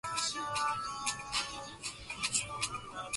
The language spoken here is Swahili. lakini nyoka huyo ni nyoka anaependa kumeza